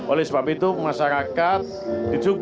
oleh sebab itu masyarakat disuguhkan dengan daun pisang